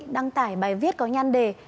đăng tải bài viết có nhan đề